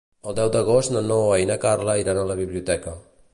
El deu d'agost na Noa i na Carla iran a la biblioteca.